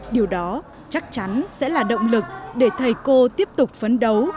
điều đó chắc chắn sẽ là động lực để thầy cô tiếp tục phấn đấu